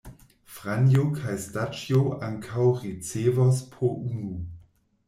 Franjo kaj Staĉjo ankaŭ ricevos po unu.